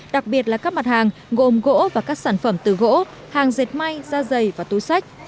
đặc biệt là các mặt hàng gồm gỗ và các sản phẩm từ gỗ hàng dệt may da dày và túi sách